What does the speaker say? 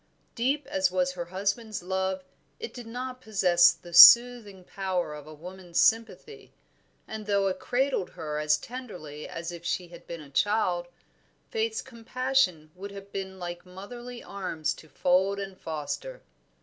Deep as was her husband's love it did not possess the soothing power of a woman's sympathy, and though it cradled her as tenderly as if she had been a child, Faith's compassion would have been like motherly arms to fold and foster.